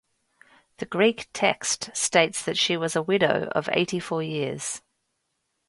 The Greek text states that "she was a widow of eighty four years".